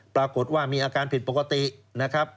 ปรากฏว่ามีอาการผิดปกตินะครับ